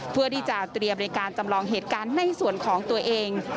เพื่อที่จะเตรียมในการจำลองเหตุการณ์ในส่วนของตัวเอง